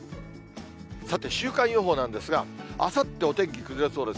さて、週間予報なんですが、あさってお天気崩れそうです。